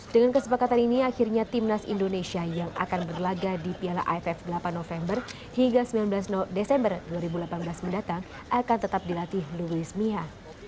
dengan kesepakatan ini akhirnya timnas indonesia yang akan berlaga di piala aff delapan november hingga sembilan belas desember dua ribu delapan belas mendatang akan tetap dilatih luis mia